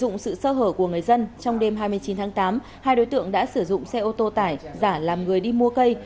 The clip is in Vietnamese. năm hai nghìn tám hai đối tượng đã sử dụng xe ô tô tải giả làm người đi mua cây